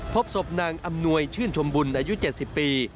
พบศพนางอำนวยชื่นชมบุญอายุ๗๐ปี